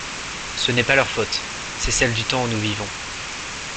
Ce n’est pas leur faute : c’est celle du temps où nous vivons.